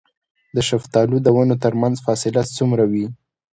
د شفتالو د ونو ترمنځ فاصله څومره وي؟